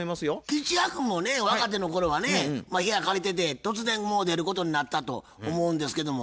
吉弥君もね若手の頃はね部屋借りてて突然出ることになったと思うんですけども。